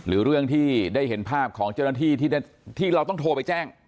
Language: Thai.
หรือเรื่องที่ได้เห็นภาพของเจ้าหน้าที่ที่เราต้องโทรไปแจ้ง